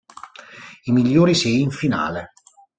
I migliori sei in finale.